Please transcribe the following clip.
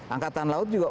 angkatan laut juga